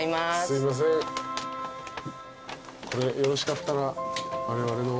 これよろしかったらわれわれの。